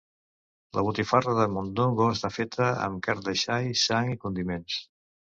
La botifarra de mondongo està feta amb carn de xai, sang i condiments.